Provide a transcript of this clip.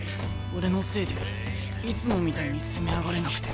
俺のせいでいつもみたいに攻め上がれなくて。